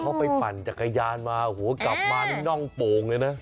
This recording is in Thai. เขาไปปั่นจักรยานมาหัวกลับมานี่น่องโป่งเลยนะ